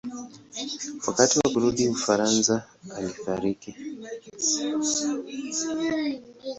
Wakati wa kurudi Ufaransa alifariki.